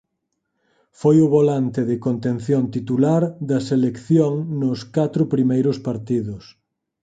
Foi o volante de contención titular da selección nos catro primeiros partidos.